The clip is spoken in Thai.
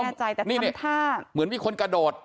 ไม่แน่ใจแต่ทำท่ากระเปรกค่ะเหมือนมันมีคนกระโดด